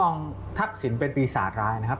คนก็มองทักศิลป์เป็นปีศาจร้ายนะครับ